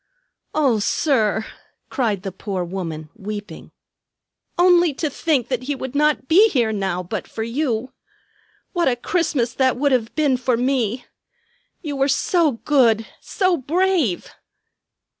"O sir!" cried the poor woman, weeping. "Only to think that he would not be here now but for you. What a Christmas that would have been for me! You were so good, so brave!"